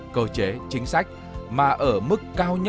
cơ chế chính sách mà ở mức cao nhất